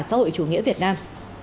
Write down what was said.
xã hội chủ nghĩa việt nam